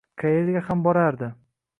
Qayerga ham borardi?